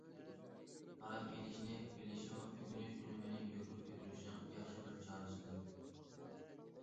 ئارام ئېلىشنى بىلىشمۇ ئۆگىنىش ئۈنۈمىنى يۇقىرى كۆتۈرۈشنىڭ ياخشى بىر چارىسىدۇر.